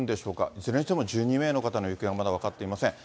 いずれにしても１２名の方の行方がまだ分かっていません。